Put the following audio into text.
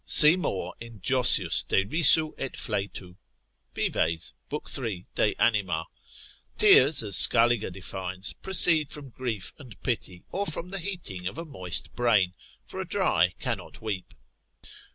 See more in Jossius de risu et fletu, Vives 3 de Anima. Tears, as Scaliger defines, proceed from grief and pity, or from the heating of a moist brain, for a dry cannot weep.